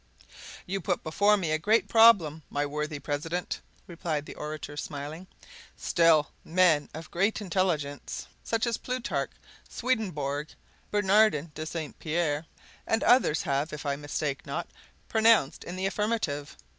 "You put before me a great problem, my worthy president," replied the orator, smiling. "Still, men of great intelligence, such as Plutarch, Swedenborg, Bernardin de St. Pierre, and others have, if I mistake not, pronounced in the affirmative.